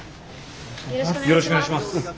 よろしくお願いします。